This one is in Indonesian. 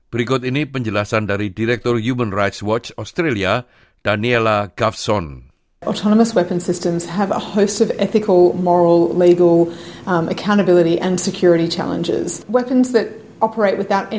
berikut ini penjelasan dari direktur human rights watch australia